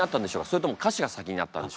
それとも歌詞が先にあったんでしょうか。